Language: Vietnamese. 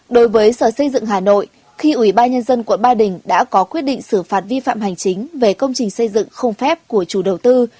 đối với sở xây dựng hà nội khi ủy ban nhân dân quận ba đình đã có quyết định xử phạt vi phạm hành chính về công trình xây dựng không phép của chủ đầu tư